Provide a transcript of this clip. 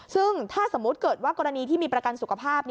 ซึ่งถ้าสมมุติเกิดว่ากรณีที่มีประกันสุขภาพ